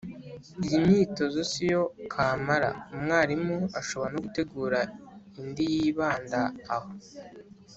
Iyi myitozo si yo kamara, umwarimu ashobora no gutegura indi yibanda aho